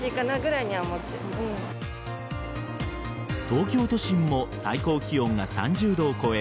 東京都心も最高気温が３０度を超え